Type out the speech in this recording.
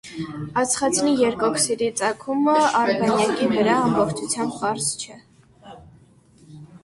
Ածխածնի երկօքսիդի ծագումը արբանյակի վրա ամբողջությամբ պարզ չէ։